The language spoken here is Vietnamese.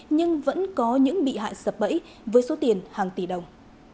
nhưng vẫn có những bị hại sập bẫy với số tiền hàng tỷ đồng